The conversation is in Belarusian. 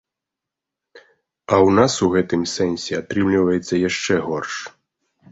А ў нас у гэтым сэнсе атрымліваецца яшчэ горш.